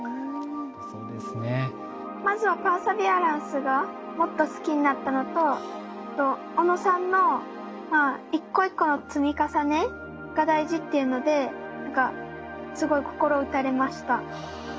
まずはパーシビアランスがもっと好きになったのと小野さんの一個一個の積み重ねが大事っていうので何かすごい心打たれました。